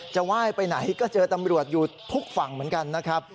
ไหว้ไปไหนก็เจอตำรวจอยู่ทุกฝั่งเหมือนกันนะครับ